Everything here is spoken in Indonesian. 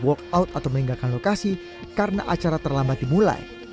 walk out atau meninggalkan lokasi karena acara terlambat dimulai